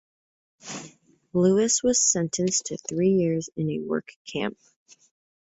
Lewis was sentenced to three years in a work camp.